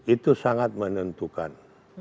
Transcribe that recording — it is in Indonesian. itu sangat menentukan